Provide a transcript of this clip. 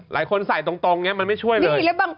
หลายคนใส่ตรงเนี่ยมันไม่ช่วยเลย